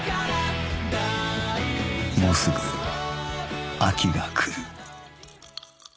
もうすぐ秋が来る